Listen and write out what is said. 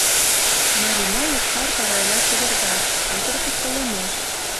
Марина йошкар тарайла чеверга, утыр куштылемеш.